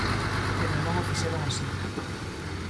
Pero non o fixeron así.